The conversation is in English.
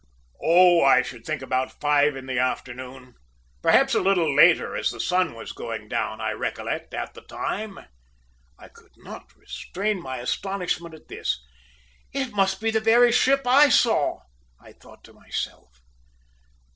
"Oh, I should think about five o'clock in the afternoon. Perhaps a little later, as the sun was going down, I recollect, at the time." I could not restrain my astonishment at this. "It must be the very ship I saw!" I thought to myself.